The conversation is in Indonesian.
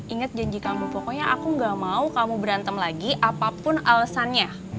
ingat janji kamu pokoknya aku gak mau kamu berantem lagi apapun alasannya